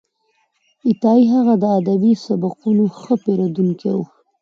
عطايي هغه د ادبي سبکونو ښه پېژندونکی و.